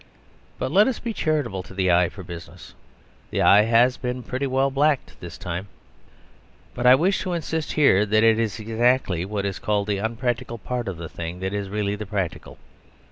But let us be charitable to the eye for business; the eye has been pretty well blacked this time. But I wish to insist here that it is exactly what is called the unpractical part of the thing that is really the practical.